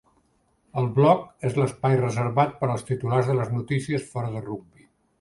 El bloc és l'espai reservat per als titulars de les notícies fora de rugbi.